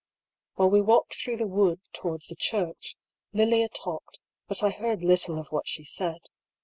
While we walked through the wood towards the church, Lilia talked, but I heard little of what she said.